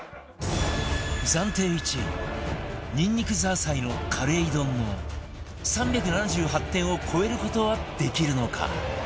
暫定１位にんにくザーサイのカレイ丼の３７８点を超える事はできるのか？